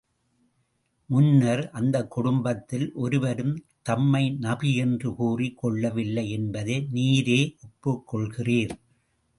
முன்னர், அந்தக் குடும்பத்தில் ஒருவரும் தம்மை நபி என்று கூறிக் கொள்ளவில்லை என்பதை நீரே ஒப்புக் கொள்கிறீர்.